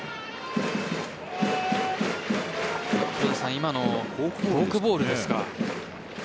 今の、フォークボールですか？